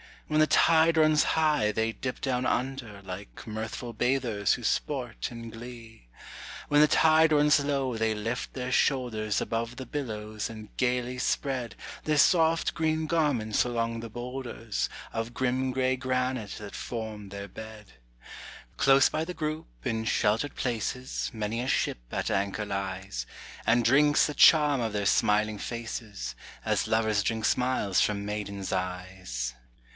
When the tide runs high they dip down under Like mirthful bathers who sport in glee. When the tide runs low they lift their shoulders Above the billows and gayly spread Their soft green garments along the boulders Of grim gray granite that form their bed. Close by the group, in sheltered places, Many a ship at anchor lies, And drinks the charm of their smiling faces, As lovers drink smiles from maidens' eyes.